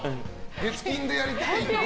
月金でやりたい？